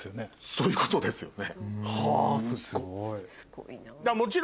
そういうことですよね。